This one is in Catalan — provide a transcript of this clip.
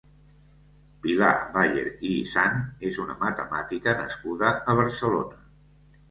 Pilar Bayer i Isant és una matemàtica nascuda a Barcelona.